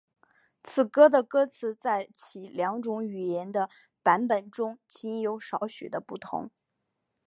此歌的歌词在其两种语言的版本中仅有少许的不同。